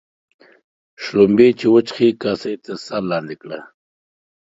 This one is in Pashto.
شلومبې چې وچښې ، کاسه يې تر سر لاندي کړه.